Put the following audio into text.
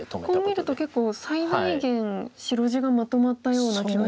こう見ると結構最大限白地がまとまったような気がしますね。